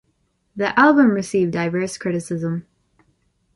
The album received diverse criticism.